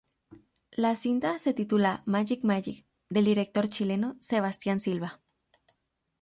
La cinta se titula "Magic, Magic" del director chileno Sebastián Silva.